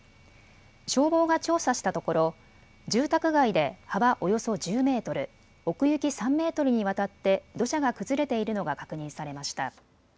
消防が調査したところ、住宅街で幅およそ１０メートル、奥行き３メートルにわたって土砂が崩れているのが確認されました。